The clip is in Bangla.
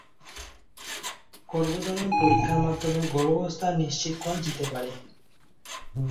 গর্ভধারণ পরীক্ষার মাধ্যমে গর্ভাবস্থা নিশ্চিত করা যেতে পারে।